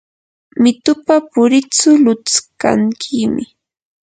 mitupa puritsu lutskankiymi.